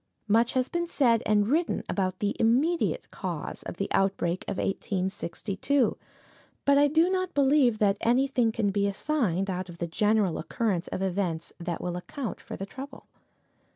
Much has been said and written about the immediate cause of the outbreak of 1862, but I do not believe that anything can be assigned out of the general course of events that will account for the trouble.